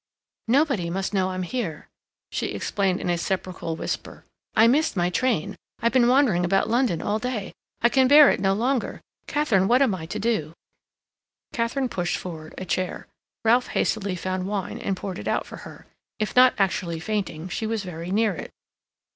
"Nobody must know I'm here," she explained in a sepulchral whisper. "I missed my train. I have been wandering about London all day. I can bear it no longer. Katharine, what am I to do?" Katharine pushed forward a chair; Ralph hastily found wine and poured it out for her. If not actually fainting, she was very near it.